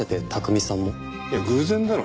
いや偶然だろ。